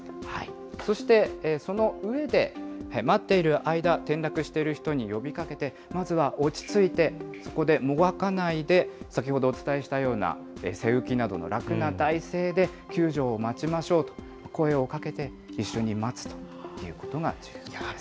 そして、その上で、待っている間、転落している人に呼びかけて、まずは落ち着いて、そこでもがかないで、先ほどお伝えしたような背浮きなどの楽な体勢で救助を待ちましょうと、声をかけて一緒に待つということが重要です。